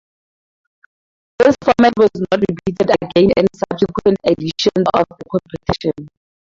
This format was not repeated again in subsequent editions of the competition.